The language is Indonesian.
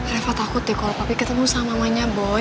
reva takut deh kalo papi ketemu sama mamanya boy